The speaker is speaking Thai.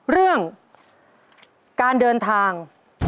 เรื่องการเดินทาง